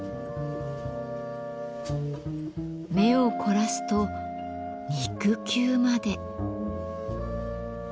目を凝らすと肉球まで。